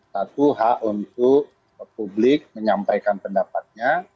satu hak untuk publik menyampaikan pendapatnya